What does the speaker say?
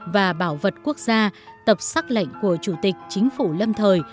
và bảo vật quốc gia tập xác lệnh của chủ tịch chính phủ lâm thời